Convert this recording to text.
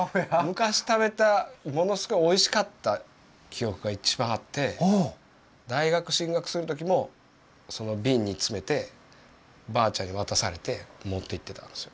昔食べたものすごいおいしかった記憶が一番あって大学進学する時も瓶に詰めてばあちゃんに渡されて持っていってたんですよ。